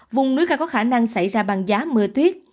vùng núi cao có khả năng xảy ra băng giá mưa tuyết